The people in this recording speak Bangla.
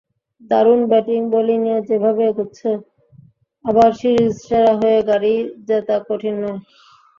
দারুণ ব্যাটিং-বোলিংয়ে যেভাবে এগোচ্ছেন, আবার সিরিজসেরা হয়ে গাড়ি জেতা কঠিন নয়।